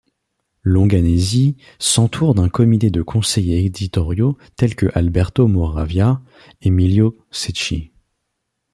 Longanesi s'entoure d'un comité de conseillers éditoriaux tels que Alberto Moravia, Emilio Cecchi.